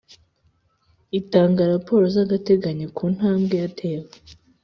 Itanga raporo z’agateganyo ku ntambwe yatewe